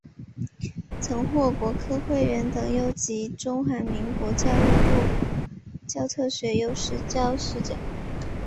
曾获国科会优等研究奖及中华民国教育部教学特优教师奖。